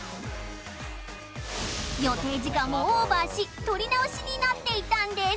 予定時間をオーバーし撮り直しになっていたんです